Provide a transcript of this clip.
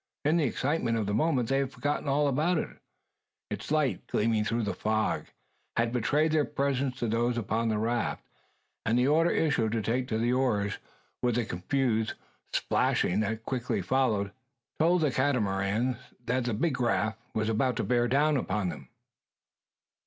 In the excitement of the moment they had forgotten all about it. Its light, gleaming through the fog, had betrayed their presence to those upon the raft; and the order issued to take to the oars, with the confused plashing that quickly followed, told the Catamarans that the big raft was about to bear down upon them!